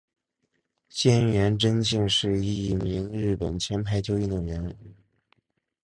菅原贞敬是一名日本前排球运动员。